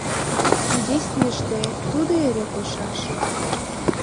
Но действийыште тудо эре койшаш.